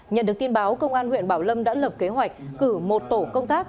nhận được tin báo công an huyện bảo lâm đã lập kế hoạch cử một tổ công tác